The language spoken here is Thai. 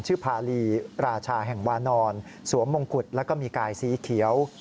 ภารีราชาแห่งวานอนสวมมงกุฎแล้วก็มีกายสีเขียว